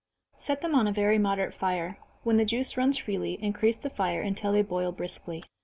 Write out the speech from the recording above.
Set them on a very moderate fire when the juice runs freely, increase the fire, until they boil briskly.